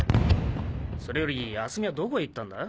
それより泰美はどこへ行ったんだ？